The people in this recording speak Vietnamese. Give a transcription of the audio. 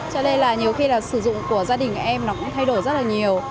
cho nên là nhiều khi là sử dụng của gia đình em nó cũng thay đổi rất là nhiều